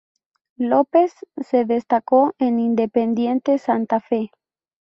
López, se destacó en Independiente Santa Fe.